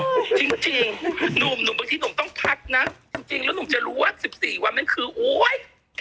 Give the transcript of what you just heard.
จริงหนุ่มบางทีหนุ่มต้องทักนะจริงแล้วหนุ่มจะรู้ว่าสิบสี่วันนั้นคือโอ๊ย